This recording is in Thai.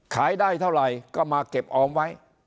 ขายได้เท่าไหร่ก็มาเก็บออมไว้